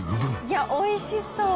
「いや美味しそう」